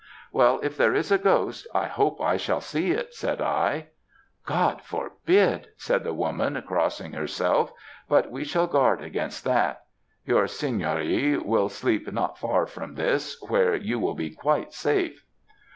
"'Well, if there is a ghost, I hope I shall see it,' said I. "'God forbid!' said the woman, crossing herself. 'But we shall guard against that; your seigneurie will sleep not far from this, where you will be quite safe.'